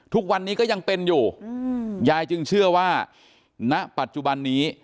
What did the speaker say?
ทุกวันนี้ก็ยังเป็นอยู่ยายจึงเชื่อว่าณปัจจุบันนี้